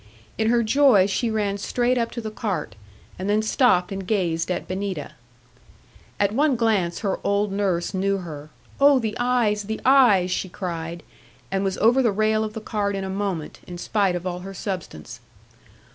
In her joy she ran straight up to the cart; and then stopped and gazed at Benita. At one glance her old nurse knew her: 'Oh, the eyes, the eyes!' she cried, and was over the rail of the cart in a moment, in spite of all her substance.